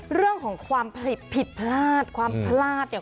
เรื่องของความผิดผิดพลาดความพลาดเนี่ย